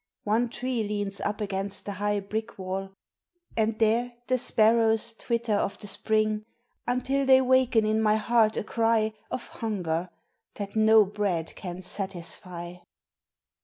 One tree leans up against the high brick wall, And there the sparrows twitter of the spring, Until they waken in my heart a cry Of hunger, that no bread can satisfy.